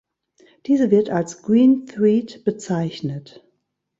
Diese wird als Green Thread bezeichnet.